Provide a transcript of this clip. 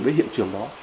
với hiện trường đó